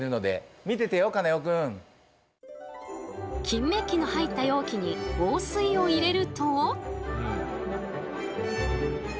金メッキの入った容器に王水を入れると。